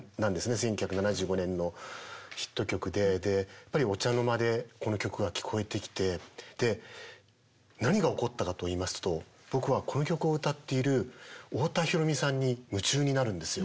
１９７５年のヒット曲でやっぱりお茶の間でこの曲が聞こえてきてで何が起こったかといいますと僕はこの曲を歌っている太田裕美さんに夢中になるんですよ。